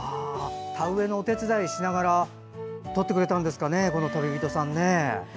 田植えのお手伝いしながら撮ってくれたんですかね。